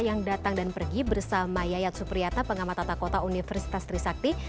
yang datang dan pergi bersama yayat supriyata pengamat tata kota universitas trisakti